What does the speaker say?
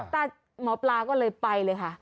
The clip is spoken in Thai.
แต่หมอปลาก็เลยไปเลยค่ะ